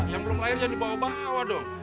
yang belum lahir jangan dibawa bawa dong